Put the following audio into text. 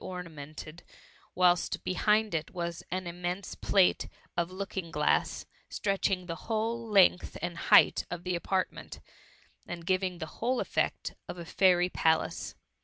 25T ornamented, whilst behind it was an immense plate of looking glaiss, stretching the whole length and height of the apartment, and giving the whole the effect of a fairy palace.